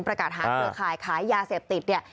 ประกาศหาเครือข่ายขายยาเสพติดเนี่ย